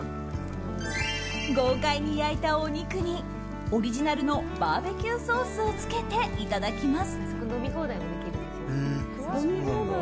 豪快に焼いたお肉にオリジナルのバーベキューソースをつけていただきます。